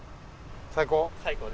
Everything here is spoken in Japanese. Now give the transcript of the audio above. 最高？